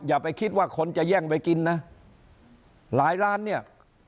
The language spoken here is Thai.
อย่าไปคิดว่าคนจะแย่งไปกินนะหลายร้านเนี่ย